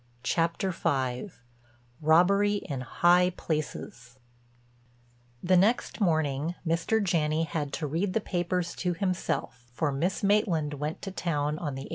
CHAPTER V—ROBBERY IN HIGH PLACES The next morning Mr. Janney had to read the papers to himself for Miss Maitland went to town on the 8:45.